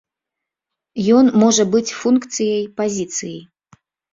Ён можа быць функцыяй пазіцыі.